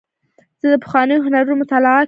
زه د پخوانیو هنرونو مطالعه کوم.